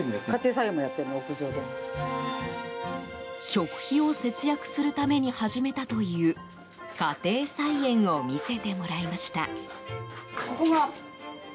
食費を節約するために始めたという家庭菜園を見せてもらいました。